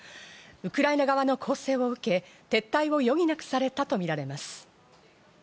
ウクライナ側の攻勢を受け、撤退を余儀なくされたとみられます。